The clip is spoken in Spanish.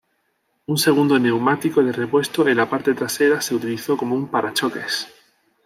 Un segundo neumático de repuesto en la parte trasera se utilizó como un parachoques.